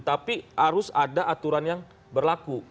tapi harus ada aturan yang berlaku